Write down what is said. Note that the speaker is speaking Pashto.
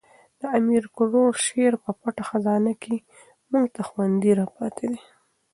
د امیر کروړ شعر په پټه خزانه کښي موږ ته خوندي را پاتي دي.